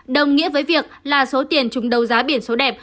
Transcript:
đồng nghĩa với việc là số tiền chúng đấu giá biển số đẹp